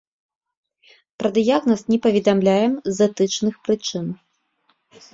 Пра дыягназ не паведамляем з этычных прычын.